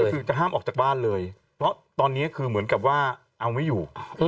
คือจะห้ามออกจากบ้านเลยเพราะตอนนี้คือเหมือนกับว่าเอาไม่อยู่